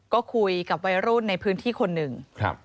ก็คุยกับวัยรุ่นในพื้นที่คนหนึ่ง